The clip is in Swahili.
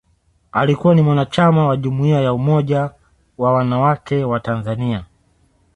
Alikuwa ni mwanachama wa Jumuiya ya Umoja Wanawake wa Tanzania